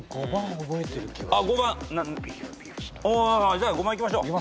じゃあ５番いきましょう。